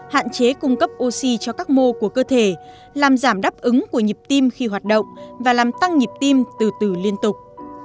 hạn chế cung cấp oxy cho các mô của cơ thể làm giảm đáp ứng của nhịp tim khi hoạt động và làm tăng nhịp tim từ từ liên tục